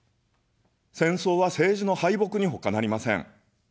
戦争は政治の敗北にほかなりません。